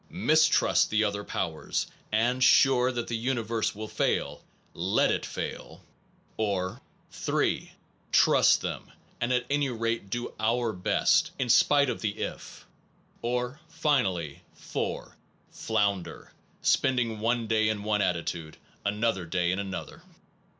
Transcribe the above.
Mistrust the other powers and, sure that the universe will fail, let it fail; or 229 APPENDIX 3. Trust them; and at any rate do our best, in spite of the if; or, finally, 4. Flounder, spending one day in one attitude, another day in another.